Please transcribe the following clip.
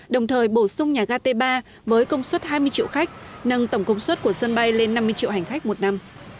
đồng thời bổ sung nhà ga t ba với công suất hai mươi triệu khách nâng tổng công suất của sân bay lên năm mươi triệu hành khách một năm